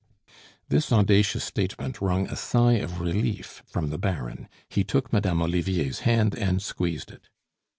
This audacious statement wrung a sigh of relief from the Baron; he took Madame Olivier's hand and squeezed it.